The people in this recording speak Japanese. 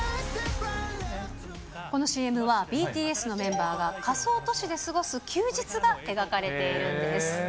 このＣＭは、ＢＴＳのメンバーが仮想都市で過ごす休日が描かれているんです。